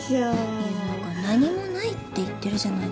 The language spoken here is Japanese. いやだから何もないって言ってるじゃないですか